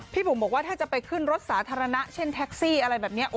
บุ๋มบอกว่าถ้าจะไปขึ้นรถสาธารณะเช่นแท็กซี่อะไรแบบนี้